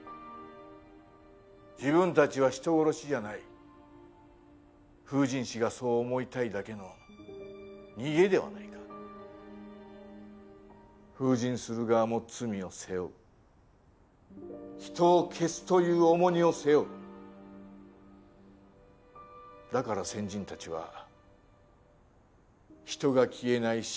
自分たちは人殺しじゃない封刃師がそう思いたいだけの逃げではないか封刃する側も罪を背負う人を消すという重荷を背負うだから先人たちは人が消えない